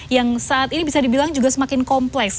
yang saat ini bisa dibilang juga semakin kompleks